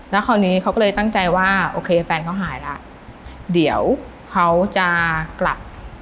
แล้วคราวนี้เขาก็เลยตั้งใจว่าโอเคแฟนเขาหายแล้วเดี๋ยวเขาจะกลับ